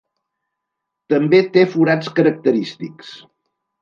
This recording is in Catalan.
També té forats característics.